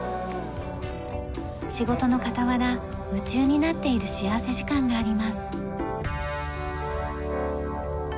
仕事の傍ら夢中になっている幸福時間があります。